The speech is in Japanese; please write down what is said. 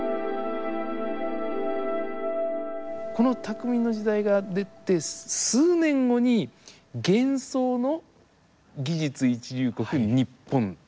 この「匠の時代」が出て数年後に「幻想の『技術一流国』ニッポン」。